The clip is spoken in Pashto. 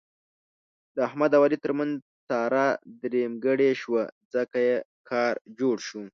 د احمد او علي ترمنځ ساره درېیمګړې شوه، ځکه یې کار جوړ شو.